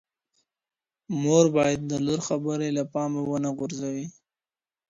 مور باید د لور خبري له پامه ونه غورځوي.